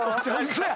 ⁉嘘や。